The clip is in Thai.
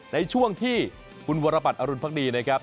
ในช่วงที่คุณวรบัตรอรุณภักดีนะครับ